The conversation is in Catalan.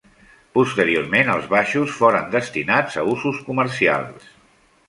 Posteriorment els baixos foren destinats a usos comercials.